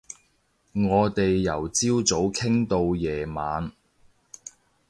我哋由朝早傾到夜晚